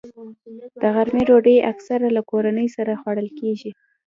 د غرمې ډوډۍ اکثره له کورنۍ سره خوړل کېږي